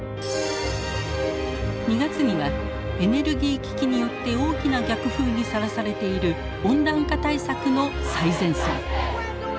２月にはエネルギー危機によって大きな逆風にさらされている温暖化対策の最前線。